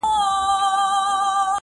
• او دا غزل مي ولیکل -